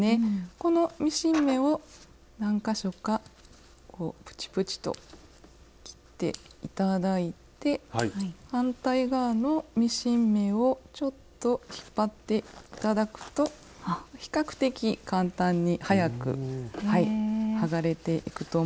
このミシン目を何か所かこうプチプチと切って頂いて反対側のミシン目をちょっと引っ張って頂くと比較的簡単に早く剥がれていくと思いますので。